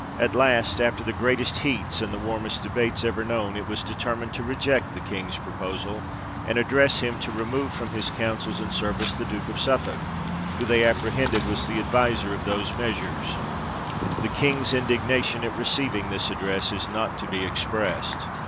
At last, after the greatest heats, and the warmest debates ever known, it was determined to reject the King's proposal, and address him to remove from his councils and service the Duke of Suffolk, who they apprehended was the adviser of those measures. The King's indignation at receiving this address is not to be expressed.